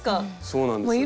そうなんです。